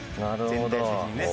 全体的にね。